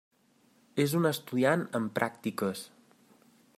És un estudiant en pràctiques.